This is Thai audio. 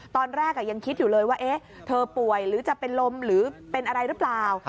ตอนแรกยังคิดอยู่เลยว่าเธอป่วยหรือจะเป็นลมหรือเป็นอะไรหรือเปล่า